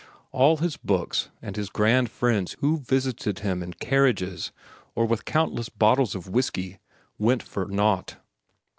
All his books, and his grand friends who visited him in carriages or with countless bottles of whiskey, went for naught.